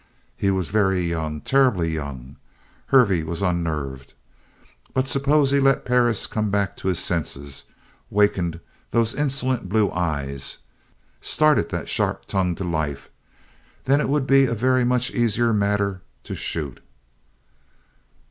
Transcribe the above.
He was very young terribly young. Hervey was unnerved. But suppose he let Perris come back to his senses, wakened those insolent blue eyes, started that sharp tongue to life then it would be a very much easier matter to shoot.